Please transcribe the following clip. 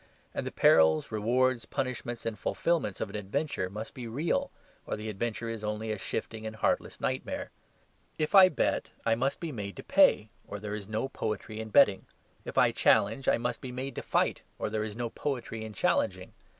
And the perils, rewards, punishments, and fulfilments of an adventure must be real, or the adventure is only a shifting and heartless nightmare. If I bet I must be made to pay, or there is no poetry in betting. If I challenge I must be made to fight, or there is no poetry in challenging.